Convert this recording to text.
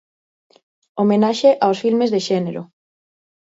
Homenaxe aos filmes de xénero.